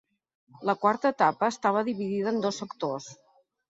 La quarta etapa estava dividida en dos sectors.